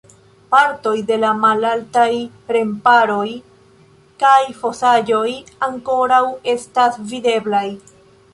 Partoj de la malaltaj remparoj kaj fosaĵoj ankoraŭ estas videblaj.